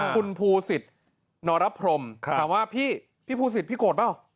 คุณภูศิษฐ์นรพรมถามว่าพี่พี่ภูศิษฐพี่โกรธเปล่า